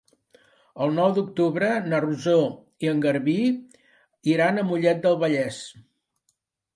El nou d'octubre na Rosó i en Garbí iran a Mollet del Vallès.